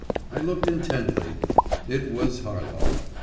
… I looked intently: it was Harlov.